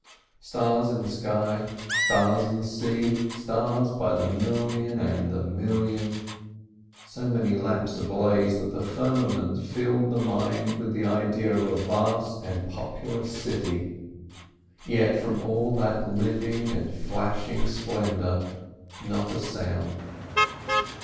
Stars in the sky, stars in the sea, stars by the million and the million; so many lamps ablaze that the firmament filled the mind with the idea of a vast and populous city—yet from all that living and flashing splendour not a sound.